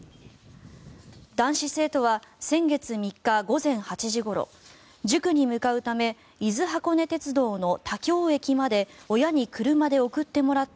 男子生徒は先月３日午前８時ごろ塾に向かうため伊豆箱根鉄道の田京駅まで親に車で送ってもらった